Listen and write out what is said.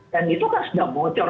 dan itu kan sudah bocor